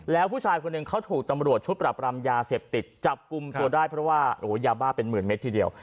แล้วผู้ชายคนหนึ่งเขาถูกตำรวจชุดปรับรามยาเสพติดจับกลุ่มตัวได้เพราะว่าโอ้โหยาบ้าเป็นหมื่นเมตรทีเดียว